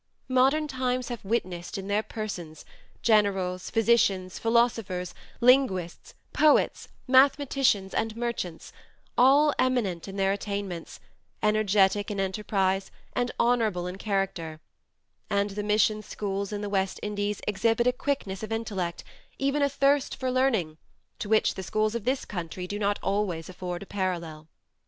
Modern times have witnessed, in their persons, Generals, Physicians, Philosophers, Linguists, Poets, Mathematicians, and Merchants all eminent in their attainments, energetic in enterprise, and honorable in character; and the Mission schools in the West Indies exhibit a quickness of intellect, and a thirst for learning, to which the schools of this country do not always afford a parallel."